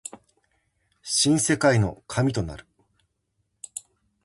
新世界の神となる